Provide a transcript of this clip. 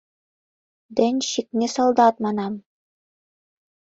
Денщик не солдат, манам!